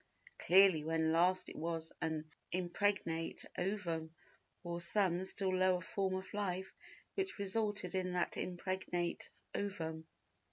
Clearly when last it was an impregnate ovum or some still lower form of life which resulted in that impregnate ovum.